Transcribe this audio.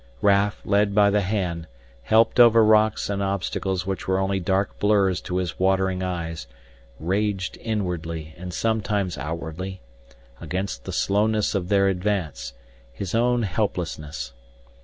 Raf, led by the hand, helped over rocks and obstacles which were only dark blurs to his watering eyes, raged inwardly and sometimes outwardly, against the slowness of their advance, his own helplessness.